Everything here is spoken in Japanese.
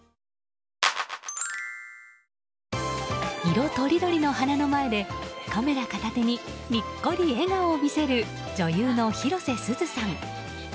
色とりどりの花の前でカメラ片手にニッコリ笑顔を見せる女優の広瀬すずさん。